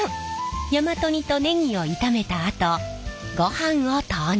大和煮とネギを炒めたあとごはんを投入。